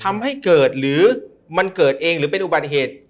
ทำให้เกิดหรือมันเกิดเองหรือเป็นอุบัติเหตุ